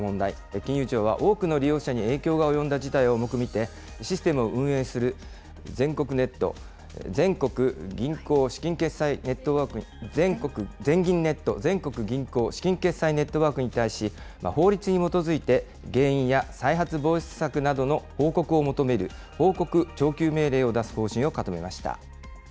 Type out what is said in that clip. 金融庁は多くの利用者に影響が及んだ事態を重く見て、システムを運営する全銀ネット・全国銀行資金決済ネットワークに対し、法律に基づいて原因や再発防止策などの報告を求める、報告徴求命令を出す方針を固めました。